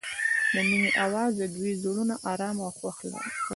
د مینه اواز د دوی زړونه ارامه او خوښ کړل.